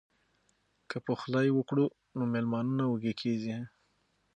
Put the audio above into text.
که پخلی وکړو نو میلمانه نه وږي کیږي.